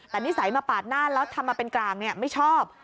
แต่นิสัยมาปาดหน้าแล้วทำมาเป็นกลางไม่ชอบ